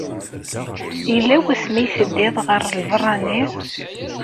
Yella wasmi ay teddiḍ ɣer lbeṛṛani?